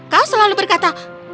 kau selalu berkata